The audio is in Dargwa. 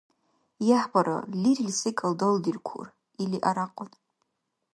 — ЯхӀбара, лерил секӀал далдиркур, — или, арякьун.